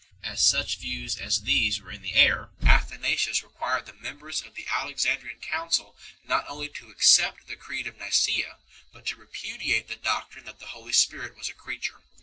As such views as these were in the air, Athanasius required the members of the Alexandrian council not only to accept the Creed of Nicsea but to repudiate the doctrine that the Holy Spirit was a creature.